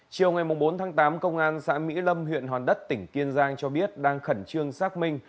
chiều ngày bốn tháng tám công an xã mỹ lâm huyện hòn đất tỉnh kiên giang cho biết đang khẩn trương xác minh